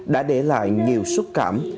đã để lại nhiều xúc cảm